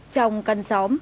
trong căn xóm